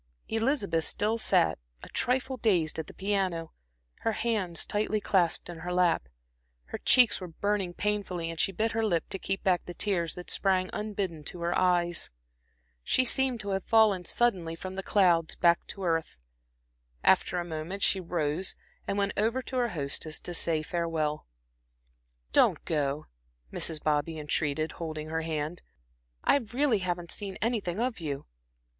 Elizabeth still sat, a trifle dazed, at the piano, her hands tightly clasped in her lap. Her cheeks were burning painfully and she bit her lip to keep back the tears that sprang unbidden to her eyes. She seemed to have fallen suddenly from the clouds back to earth. After a moment she rose and went over to her hostess to say farewell. "Don't go," Mrs. Bobby entreated, holding her hand, "I really haven't seen anything of you."